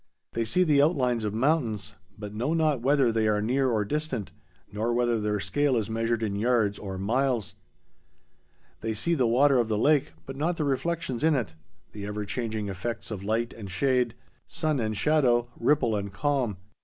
They see the outlines of mountains, but know not whether they are near or distant, nor whether their scale is measured in yards or miles; they see the water of the lake, but not the reflections in it, the ever changing effects of light and shade, sun and shadow, ripple and calm.